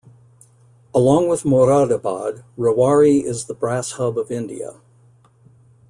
Along with Moradabad, Rewari is the brass hub of India.